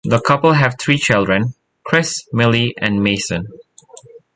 The couple have three children; Chris, Millie and Mason.